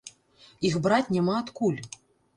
Іх браць няма адкуль.